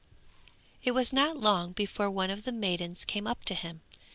_] It was not long before one of the maidens came up to him.